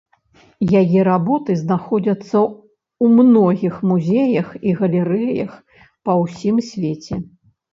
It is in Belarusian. Яе работы знаходзяцца ў многіх музеях і галерэях па ўсім свеце.